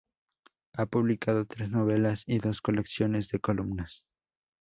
Ha publicado tres novelas y dos colecciones de columnas.